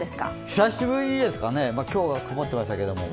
久しぶりにですかね、今日は曇ってましたけど。